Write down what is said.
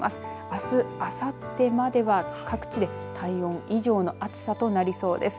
あす、あさってまでは各地で体温以上の暑さとなりそうです。